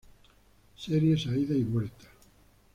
Series a ida y vuelta.